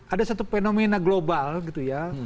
ada satu fenomena global gitu ya